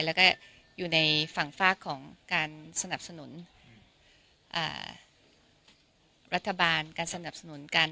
และอยู่ในฝั่งฝากของการสนับสนุนรัฐบาล